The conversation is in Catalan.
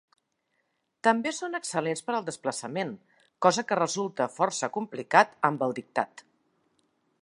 També són excel·lents per al desplaçament, cosa que resulta força complicat amb el dictat.